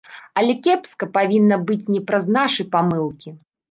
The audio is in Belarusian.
Але кепска павінна быць не праз нашы памылкі.